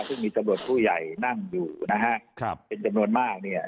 ซึ่งมีตำรวจผู้ใหญ่นั่งอยู่นะฮะครับเป็นจำนวนมากเนี่ย